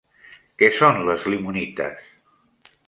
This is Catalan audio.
Què són les limonites?